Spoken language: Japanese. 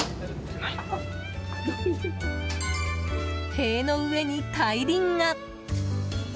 塀の上に大輪が。